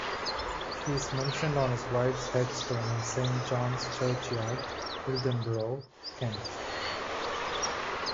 He is mentioned on his wife's headstone in Saint John's Churchyard, Hildenborough, Kent.